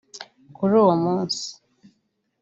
Kuri uwo munsi